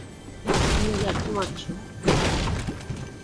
তুমি ইয়ার্কি মারছ।